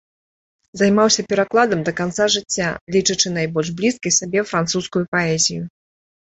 Займаўся перакладам да канца жыцця, лічачы найбольш блізкай сабе французскую паэзію.